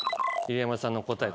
入山さんの答え。